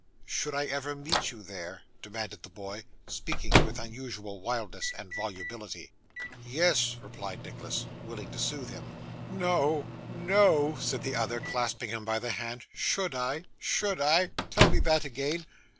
'Should I ever meet you there?' demanded the boy, speaking with unusual wildness and volubility. 'Yes,' replied Nicholas, willing to soothe him. 'No, no!' said the other, clasping him by the hand. 'Should I should I tell me that again.